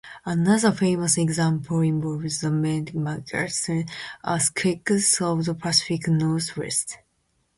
Another famous example involves the megathrust earthquakes of the Pacific Northwest.